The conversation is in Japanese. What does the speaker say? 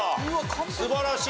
素晴らしい！